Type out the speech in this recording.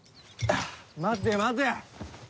待て待て！